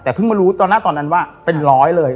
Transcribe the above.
แต่เพิ่งมารู้ตอนหน้าตอนนั้นว่าเป็นร้อยเลย